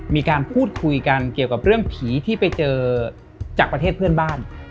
มีการพูดคุยกันเกี่ยวกับเรื่องผีที่ไปเจอจากประเทศเพื่อนบ้าน